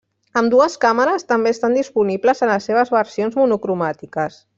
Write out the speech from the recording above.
Ambdues càmeres també estan disponibles en les seves versions monocromàtiques.